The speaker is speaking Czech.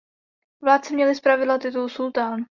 Vládci měli zpravidla titul sultán.